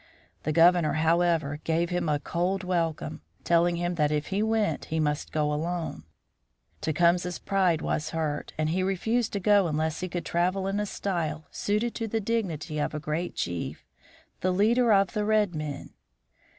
The Governor, however, gave him a cold welcome, telling him that if he went he must go alone. Tecumseh's pride was hurt and he refused to go unless he could travel in a style suited to the dignity of a great chief, the leader of the red men.